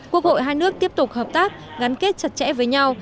quốc hội hai nước tiếp tục hợp tác gắn kết chặt chẽ với nhau